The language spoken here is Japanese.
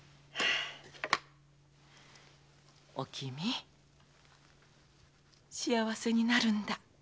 おきみ幸せになるんだ。